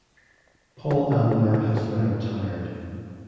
Paul Ambler has now retired.